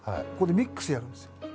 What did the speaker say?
ここでミックスやるんですよ。